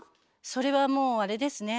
それはもうあれですね